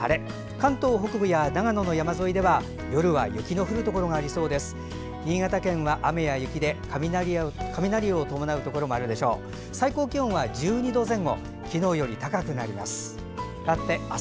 関東北部や長野の山沿いでは夜は雪の降るところがありそうです。